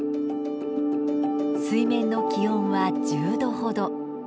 水面の気温は１０度ほど。